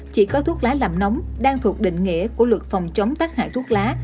chỉ có thuốc lá làm nóng đang thuộc định nghĩa của luật phòng chống tác hại thuốc lá